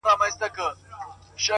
مثبت ذهن پر امکاناتو تمرکز لري,